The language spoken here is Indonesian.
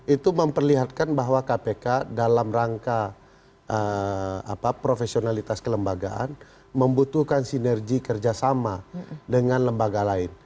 itu memperlihatkan bahwa kpk dalam rangka profesionalitas kelembagaan membutuhkan sinergi kerjasama dengan lembaga lain